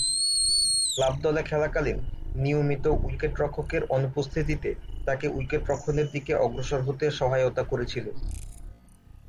Club দলে খেলাকালীন নিয়মিত উইকেট-রক্ষকের অনুপস্থিতিতে তাকে উইকেট-রক্ষণের দিকে অগ্রসর হতে সহায়তা করেছিল।